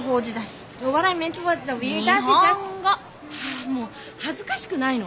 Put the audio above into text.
あもう恥ずかしくないの？